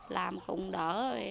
làm cũng đỡ